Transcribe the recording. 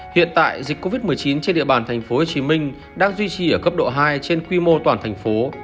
hiện tại dịch covid một mươi chín trên địa bàn thành phố hồ chí minh đang duy trì ở cấp độ hai trên quy mô toàn thành phố